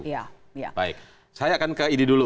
ya baik saya akan ke idi dulu